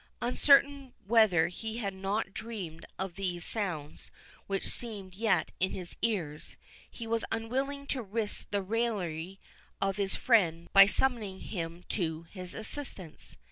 Uncertain whether he had not dreamed of these sounds which seemed yet in his ears, he was unwilling to risk the raillery of his friend by summoning him to his assistance.